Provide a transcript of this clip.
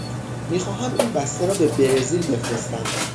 می خواهم این بسته را به برزیل بفرستم.